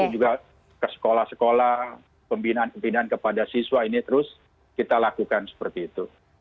itu juga ke sekolah sekolah pembinaan pembinaan kepada siswa ini terus kita lakukan seperti itu